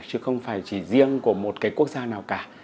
chứ không phải chỉ riêng của một cái quốc gia nào cả